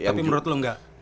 tapi menurut lo enggak